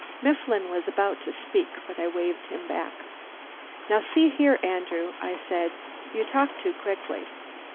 Mifflin was about to speak but I waved him back. "Now see here Andrew," I said, "you talk too quickly.